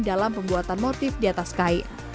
dalam pembuatan motif diatas kai